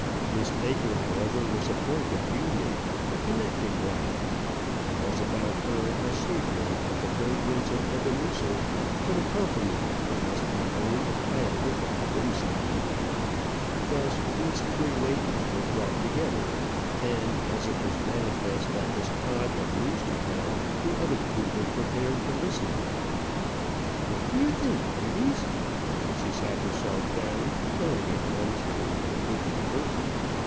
Miss Baker, however, was a point of union, a connecting rod. There was about her a savouring of the fragrance of Ebenezer, but accompanied, it must be owned, by a whiff of brimstone. Thus these three ladies were brought together; and as it was manifest that Miss Todd had news to tell, the other two were prepared to listen. "What do you think, ladies?" and she sat herself down, filling an arm chair with her goodly person.